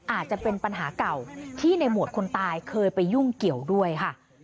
อาจจะเป็นปัญหาเก่าที่ในหมวดคนตายเคยไปยุ่งเกี่ยวด้วยค่ะ